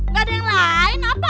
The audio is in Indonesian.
nggak ada yang lain apa